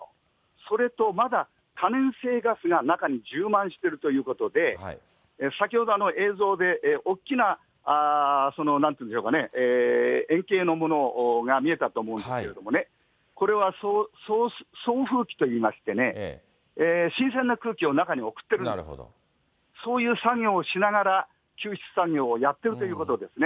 それと、まだ可燃性ガスが中に充満してるということで、先ほど映像で、大きななんていうんでしょうかね、円形のものが見えたと思うんですけれどもね、これは送風機といいましてね、新鮮な空気を中に送ってる、そういう作業をしながら救出作業をやってるということですね。